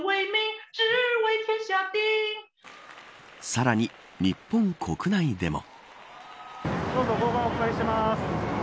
さらに日本国内でも。